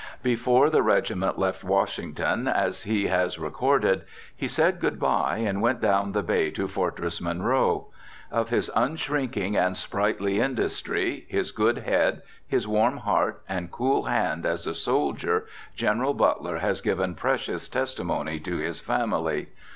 Before the regiment left Washington, as he has recorded, he said good bye and went down the bay to Fortress Monroe. Of his unshrinking and sprightly industry, his good head, his warm heart, and cool hand, as a soldier, General Butler has given precious testimony to his family.